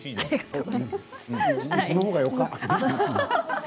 このほうが、よか。